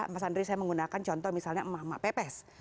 mas andri saya menggunakan contoh misalnya mama pepes